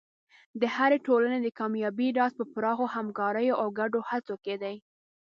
د هرې ټولنې د کامیابۍ راز په پراخو همکاریو او ګډو هڅو کې دی.